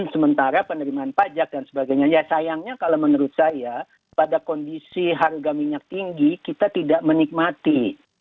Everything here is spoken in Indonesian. sementara penerimaan pajak dan sebagainya ya sayangnya kalau menurut saya pada kondisi harga minyak tinggi kita tidak menikmati